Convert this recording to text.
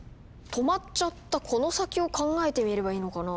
止まっちゃったこの先を考えてみればいいのかな。